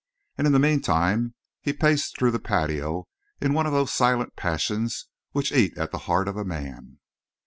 And, in the meantime, he paced through the patio in one of those silent passions which eat at the heart of a man.